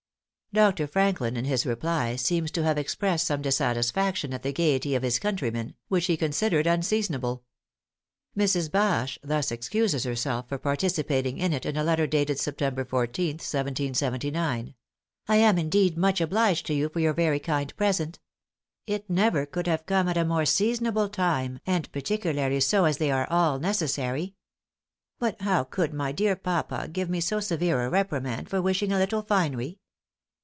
Dr. Franklin in his reply seems to have expressed some dissatisfaction at the gaiety of his countrymen, which he considered unseasonable. Mrs. Bache thus excuses herself for participating in it in a letter dated September 14, 1779: "I am indeed much obliged to you for your very kind present. It never could have come at a more seasonable time, and particularly so as they are all necessary.... But how could my dear papa give me so severe a reprimand for wishing a little finery.